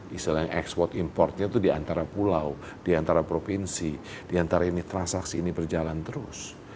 misalnya ekspor importnya itu di antara pulau di antara provinsi diantara ini transaksi ini berjalan terus